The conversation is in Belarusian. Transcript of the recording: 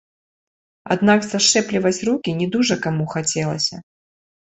Аднак сашчэпліваць рукі не дужа каму хацелася.